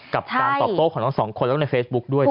กับการตอบโต้ของทั้งสองคนแล้วก็ในเฟซบุ๊คด้วย